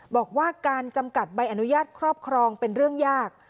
บอกว่าการจำกัดใบอนุญาตครอบครองเป็นเรื่องยาก